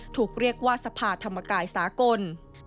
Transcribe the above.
ถูกเรียกว่าสภาธรรมกายสากล